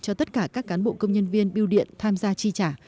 cho tất cả các cán bộ công nhân viên biêu điện tham gia chi trả